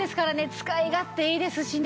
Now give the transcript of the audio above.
使い勝手いいですしね。